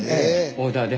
オーダーで。